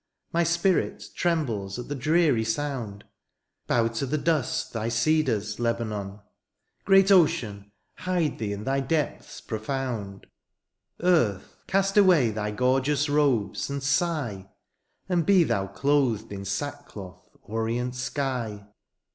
My spirit trembles at the dreary sound ; Bow to the dust thy cedars, Lebanon ; Great ocean, hide thee in thy depths profound ; Earth, cast away thy gorgeous robes, and sigh. And be thou clothed in sackcloth, orient sky.